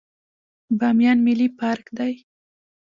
بامیان ملي پارک دی